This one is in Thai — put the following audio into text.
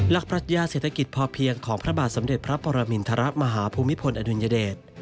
ปรัชญาเศรษฐกิจพอเพียงของพระบาทสมเด็จพระปรมินทรมาฮภูมิพลอดุลยเดช